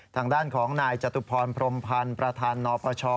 ทางด้านของนายจตุพรพรมพันธ์ประธานนปช